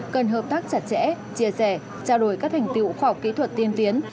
cần hợp tác chặt chẽ chia sẻ trao đổi các thành tiệu khoa học kỹ thuật tiên tiến